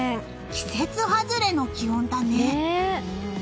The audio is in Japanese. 季節外れの気温だね！